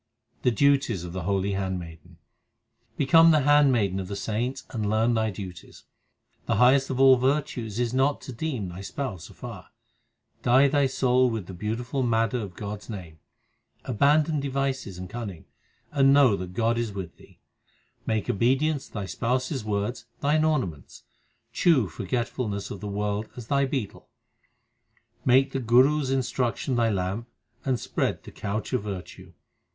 The duties of the holy handmaiden : Become the handmaiden of the saints and learn thy duties : The highest of all virtues is not to deem thy Spouse afar. Dye thy soul with the beautiful madder of God s name. Abandon devices and cunning, and know that God is with thee. Make obedience to thy Spouse s words thine ornaments ; Chew forgetfulness of the world as thy betel ; Make the Guru s instruction thy lamp, and spread the couch of virtue.